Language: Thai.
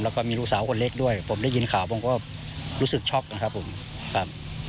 แล้วก็มีลูกสาวคนเล็กด้วยผมได้ยินข่าวผมก็รู้สึกช็อกนะครับผมครับ